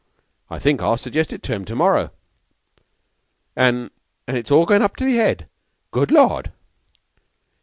I think I'll suggest it to him to morrow." "An' it's all goin' up to the 'Ead. Oh, Good Lord!"